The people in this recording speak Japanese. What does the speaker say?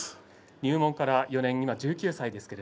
入門から４年、１９歳です。